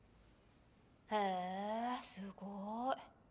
へぇすごい。